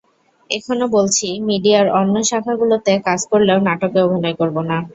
এখনো বলছি, মিডিয়ার অন্য শাখাগুলোতে কাজ করলেও নাটকে অভিনয় করব না।